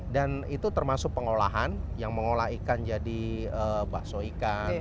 dan itu termasuk pengolahan yang mengolah ikan jadi bakso ikan